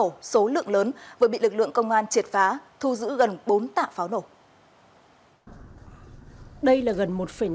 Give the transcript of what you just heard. một đường dây buôn bán vận chuyển tàng chữ pháo nổ số lượng lớn vừa bị lực lượng công an triệt phá thu giữ gần bốn tạ pháo nổ